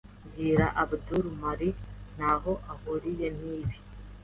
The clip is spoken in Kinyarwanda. Bwira Abdul Mary ntaho ahuriye nibi.